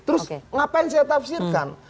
terus ngapain saya tafsirkan